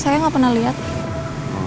saya mau tanya nantanya